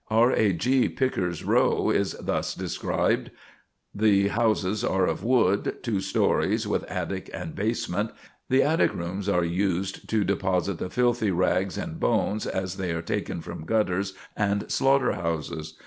[Sidenote: Rag Pickers Row] "Rag Pickers Row" is thus described: "The houses are of wood, two stories, with attic and basement. The attic rooms are used to deposit the filthy rags and bones as they are taken from gutters and slaughter houses.